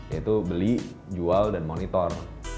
yaitu beli jual dan monitor